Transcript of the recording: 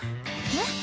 えっ？